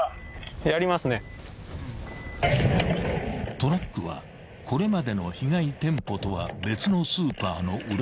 ［トラックはこれまでの被害店舗とは別のスーパーの裏口に停車］